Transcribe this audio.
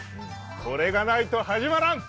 これがないと始まらん。